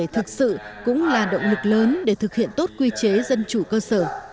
các chủ thể thực sự cũng là động lực lớn để thực hiện tốt quy chế dân chủ cơ sở